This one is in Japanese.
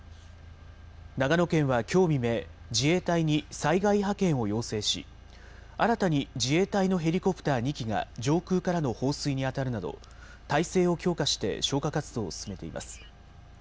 長野県はきょう未明、自衛隊に災害派遣を要請し、新たに自衛隊のヘリコプター２機が、上空からの放水に当たるなど、態勢を強化して消火活動を進めています。